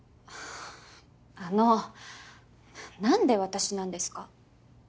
あのなんで私なんですか？